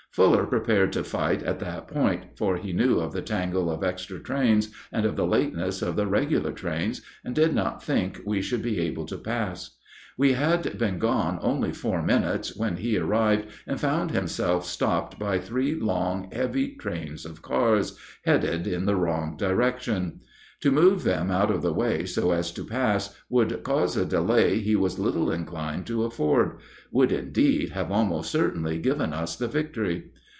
Fuller prepared to fight at that point, for he knew of the tangle of extra trains, and of the lateness of the regular trains, and did not think we should be able to pass. We had been gone only four minutes when he arrived and found himself stopped by three long, heavy trains of cars, headed in the wrong direction. To move them out of the way so as to pass would cause a delay he was little inclined to afford would, indeed, have almost certainly given us the victory.